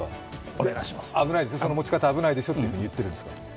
その持ち方、危ないぞと言っているんですか。